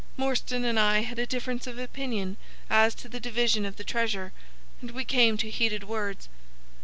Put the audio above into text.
Morstan and I had a difference of opinion as to the division of the treasure, and we came to heated words.